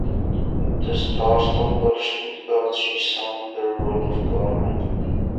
At the Staatsoper Stuttgart she sang the role of "Carmen".